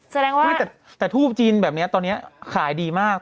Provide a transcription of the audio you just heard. แสดงว่าแต่ทูปจีนแบบนี้ตอนนี้ขายดีมาก